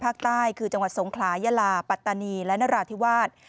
ภาคใต้คือจังหวัดสงขลายลาปัตตานีและนราธิวาส